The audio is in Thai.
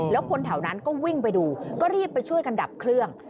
แล้วคนแถวนั้นก็วิ่งไปดูก็รีบไปช่วยกันดับเครื่อง